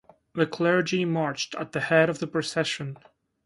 The clergy marched at the head of the procession.